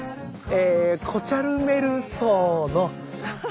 えコチャルメルソウの。